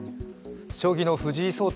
将棋の藤井聡太